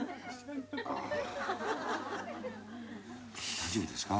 大丈夫ですか？